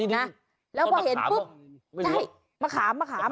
นี่มันไม้ขามหรอ